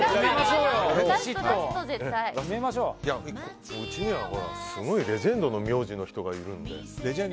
うちには、ほらすごいレジェンドの名字の人がいるから。